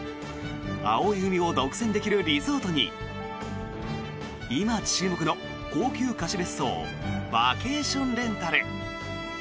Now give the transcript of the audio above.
青い海を独占できるリゾートに今注目の高級貸別荘バケーションレンタル。